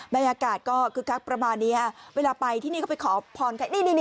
บรรยากาศก็คึกคักประมาณนี้เวลาไปที่นี่ก็ไปขอพรกัน